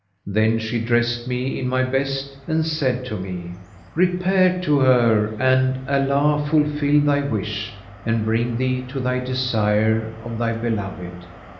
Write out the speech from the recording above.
Then she dressed me in my best and said to me, "Repair to her and Allah fulfil thy wish and bring thee to thy desire of thy beloved!"